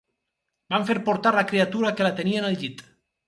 Van fer portar la criatura que la tenien al llit